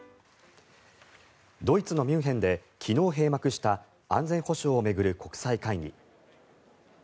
ドイツのミュンヘンで昨日閉幕した安全保障を巡る国際会議。